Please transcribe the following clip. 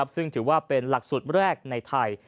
ซึ่งถือว่าเป็นหลักสูตรแรกในไทย